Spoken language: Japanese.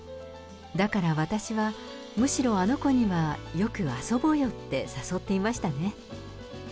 だから私はむしろ、あの子にはよく遊ぼうよって誘っていましたね。